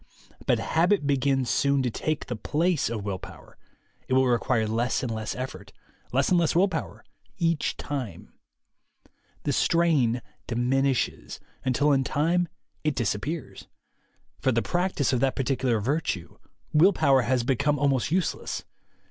But habit begins soon to take the place of will power; it will require less and less effort, less and less will power, each time; the strain diminishes, until in time it disappears. For the practice of that particular virtue, will power has become almost useless.